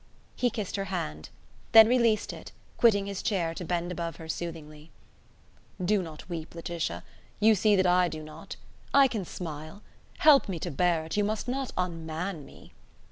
He kissed her hand; then released it, quitting his chair to bend above her soothingly. "Do not weep, Laetitia, you see that I do not; I can smile. Help me to bear it; you must not unman me."